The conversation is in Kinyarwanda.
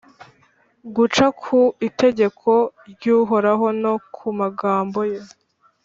guca ku itegeko ry’uhoraho no ku magambo ye